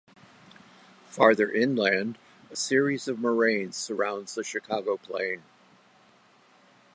Farther inland, a series of moraines surrounds the Chicago Plain.